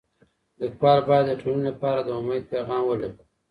ليکوال بايد د ټولني لپاره د اميد پيغام ولري.